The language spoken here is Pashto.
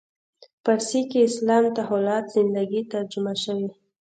فارسي کې اسلام تحولات زندگی ترجمه شوی.